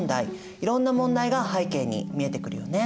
いろんな問題が背景に見えてくるよね。